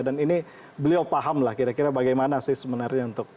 dan ini beliau paham lah kira kira bagaimana sih sebenarnya untuk